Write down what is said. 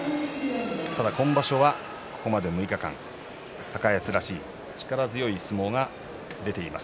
ただ今場所は、ここまで６日間高安らしい力強い相撲が出ています。